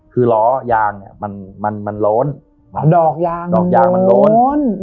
คือล้อยางเนี่ยมันมันล้นดอกยางดอกยางมันล้น